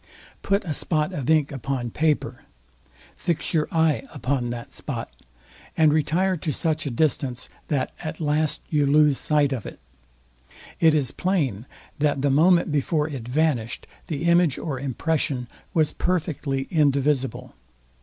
Put a spot of ink upon paper, fix your eye upon that spot, and retire to such a distance, that, at last you lose sight of it; it is plain, that the moment before it vanished the image or impression was perfectly indivisible.